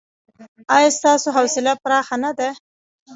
ایا ستاسو حوصله پراخه نه ده؟